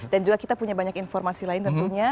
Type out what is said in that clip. juga kita punya banyak informasi lain tentunya